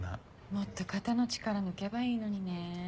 もっと肩の力抜けばいいのにね。